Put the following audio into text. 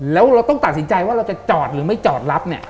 แล้วเราต้องตัดสินใจว่าเราจะจอดหรือไม่จอดรับเนี่ย